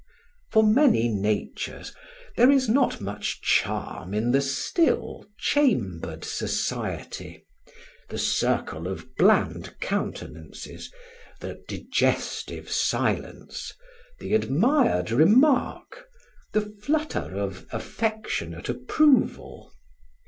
For many natures there is not much charm in the still, chambered society, the circle of bland countenances, the digestive silence, the admired remark, the flutter of affectionate approval.